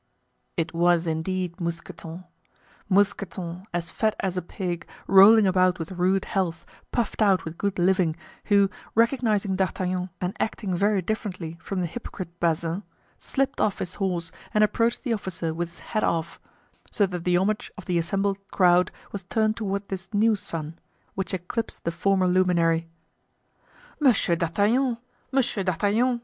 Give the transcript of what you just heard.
It was indeed Mousqueton—Mousqueton, as fat as a pig, rolling about with rude health, puffed out with good living, who, recognizing D'Artagnan and acting very differently from the hypocrite Bazin, slipped off his horse and approached the officer with his hat off, so that the homage of the assembled crowd was turned toward this new sun, which eclipsed the former luminary. "Monsieur d'Artagnan! Monsieur d'Artagnan!"